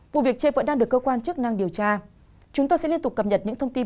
vụ việc trên vẫn đang được cơ quan chức năng điều tra chúng tôi sẽ liên tục cập nhật những thông tin